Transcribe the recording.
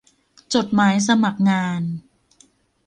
จดหมายสมัครงาน